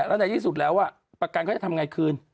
แล้วในที่สุดแล้วประกันเขาจะทำไงคืน